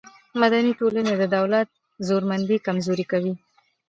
مدني ټولنې د دولت زورمندي کمزورې کوي.